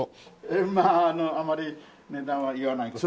ええまああまり値段は言わない事に。